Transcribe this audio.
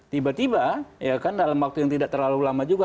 tiba tiba ya kan dalam waktu yang tidak terlalu lama juga